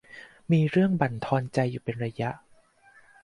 มีเรื่องบั่นทอนใจอยู่เป็นระยะ